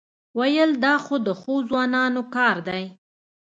وېل دا خو د ښو ځوانانو کار دی.